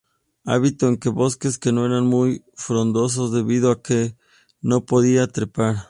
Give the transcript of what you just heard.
Habitó en bosques que no eran muy frondosos debido a que no podía trepar.